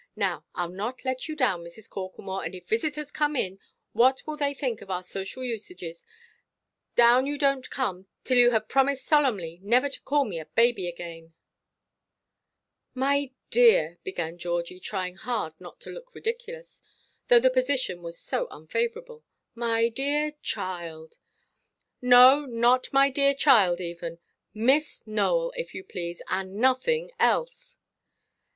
Now, Iʼll not let you down, Mrs. Corklemore,—and if visitors come in, what will they think of our social usages? Down you donʼt come, till you have promised solemnly never to call me a baby again." "My dear," began Georgie, trying hard not to look ridiculous—though the position was so unfavourable—"my dear child——" "No, not my dear child, even! Miss Nowell, if you please, and nothing else."